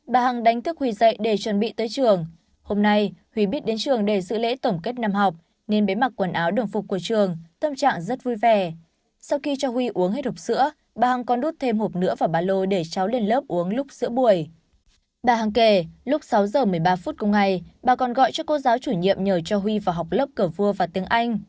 bà hằng kể lúc sáu giờ một mươi ba phút cùng ngày bà còn gọi cho cô giáo chủ nhiệm nhờ cho huy vào học lớp cờ vua và tiếng anh